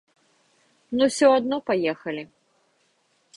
Ну ўсё адно паехалі.